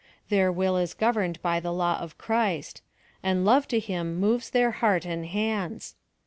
Tlieir will is governed by the will of Christ ; and love to him moves their heart and hands.